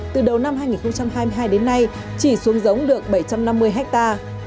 từ đầu năm hai nghìn hai mươi hai đến nay chỉ xuống giống được bảy trăm năm mươi hectare